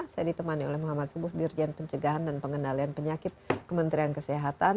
saya ditemani oleh muhammad subuh dirjen pencegahan dan pengendalian penyakit kementerian kesehatan